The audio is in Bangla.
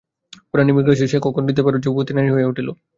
কুড়ানি মৃগশিশু ছিল, সে কখন হৃদয়ভারাতুর যুবতী নারী হইয়া উঠিল।